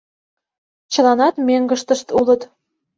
Чыланат мӧҥгыштышт улыт.